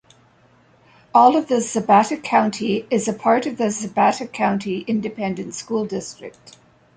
All of Zapata County is a part of the Zapata County Independent School District.